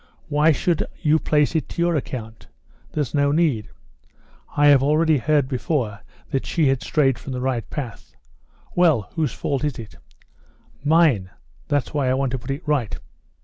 "Why should you place it to your account? There's no need. I had already heard before that she had strayed from the right path. Well, whose fault is it?" "Mine! that's why I want to put it right."